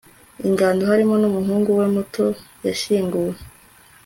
ingando, harimo n'umuhungu we muto, yashyinguwe